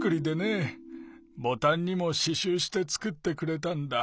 ボタンにもししゅうしてつくってくれたんだ。